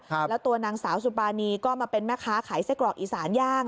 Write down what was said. แล้วตัวนางสาวสุปานีก็มาเป็นแม่ค้าขายไส้กรอกอีสานย่าง